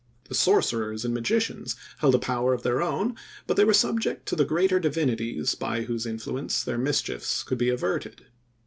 The sorcerers and magicians held a power of their own, but they were subject to the greater divinities by whose influence their mischiefs could be averted.